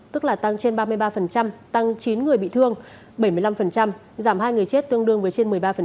tức là tăng trên ba mươi ba tăng chín người bị thương bảy mươi năm giảm hai người chết tương đương với trên một mươi ba